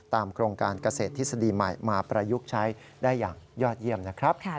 โครงการเกษตรทฤษฎีใหม่มาประยุกต์ใช้ได้อย่างยอดเยี่ยมนะครับ